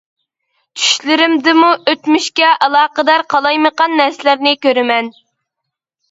چۈشلىرىمدىمۇ ئۆتمۈشكە ئالاقىدار قالايمىقان نەرسىلەرنى كۆرىمەن.